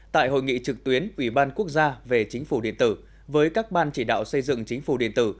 tại hội nghị trực tuyến ubnd về chính phủ điện tử với các ban chỉ đạo xây dựng chính phủ điện tử